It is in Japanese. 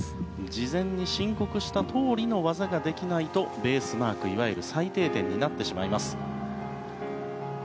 事前に申告したとおりの技ができないとベースマークいわゆる最低点になってしまいます。